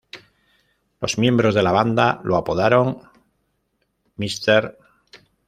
Los miembros de la banda lo apodaron "Mr.